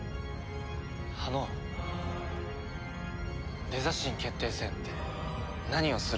あのデザ神決定戦って何をする気ですか？